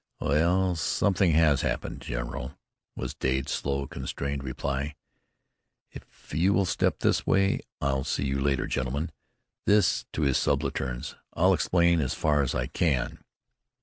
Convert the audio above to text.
"W ell, something has happened, general," was Dade's slow, constrained reply. "If you will step this way I'll see you later, gentlemen " this to his subalterns "I'll explain as far as I can."